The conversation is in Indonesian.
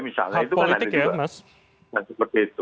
misalnya itu kan seperti itu